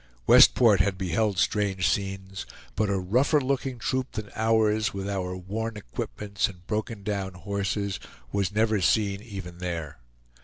Westport had beheld strange scenes, but a rougher looking troop than ours, with our worn equipments and broken down horses, was never seen even there.